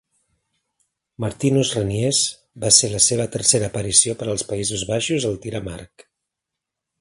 Martinus Reniers va ser la seva tercera aparició per als Països Baixos al tir amb arc.